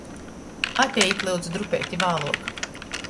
Atejit, lyudzu, drupeiti vāluok!